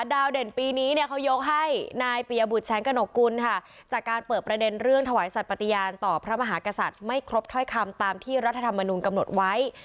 เด่นปีนี้เนี่ยเขายกให้นายปียบุตรแสงกระหนกกุลค่ะจากการเปิดประเด็นเรื่องถวายสัตว์ปฏิญาณต่อพระมหากษัตริย์ไม่ครบถ้อยคำตามที่รัฐธรรมนุนกำหนดไว้